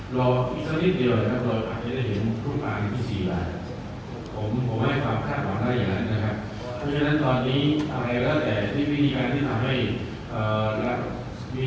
รออีกสักนิดเดียวนะครับเราอาจจะได้เห็นพรุ่งปากอีก๑๔บาท